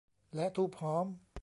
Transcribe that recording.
และธูปหอม